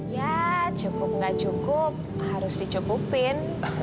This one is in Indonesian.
ya cukup nggak cukup harus dicukupin